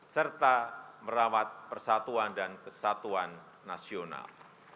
serta merawat persatuan dan kesatuan nasional